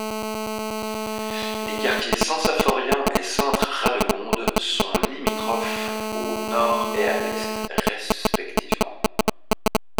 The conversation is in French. Les quartiers Saint-Symphorien et Sainte-Radegonde sont limitrophes au nord et à l'est respectivement.